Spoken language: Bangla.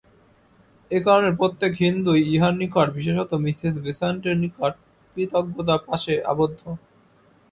এ কারণে প্রত্যেক হিন্দুই ইহার নিকট, বিশেষত মিসেস বেস্যাণ্টের নিকট কৃতজ্ঞতাপাশে আবদ্ধ।